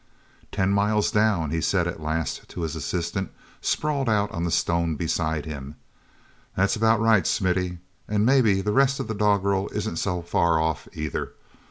"Ten miles down!" he said at last to his assistant, sprawled out on the stone beside him. "That's about right, Smithy. And maybe the rest of the doggerel isn't so far off either.